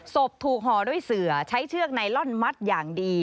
ศพถูกห่อด้วยเสือใช้เชือกไนลอนมัดอย่างดี